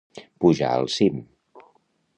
Pujar al cim.